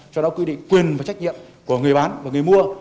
cho đó quy định quyền và trách nhiệm của người bán và người mua